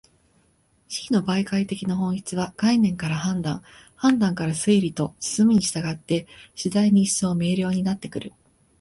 思惟の媒介的な本質は、概念から判断、判断から推理と進むに従って、次第に一層明瞭になってくる。